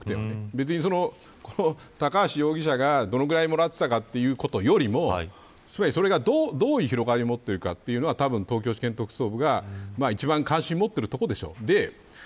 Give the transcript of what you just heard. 別に高橋容疑者がどのくらいもらっていたかということよりもつまりそれが、どういう広がりを持っているかというのはたぶん、東京地検特捜部が一番関心を持っているところでしょう。